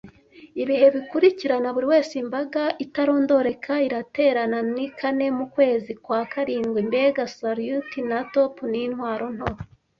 Ibihe bikurikirana buriwese imbaga itarondoreka iraterana , ni kane mukwezi kwa karindwi, (mbega salut ya top nintwaro nto!)